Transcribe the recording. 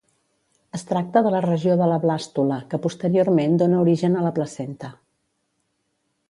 Es tracta de la regió de la blàstula que posteriorment dóna origen a la placenta.